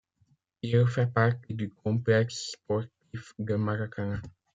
Il fait partie du complexe sportif de Maracanã.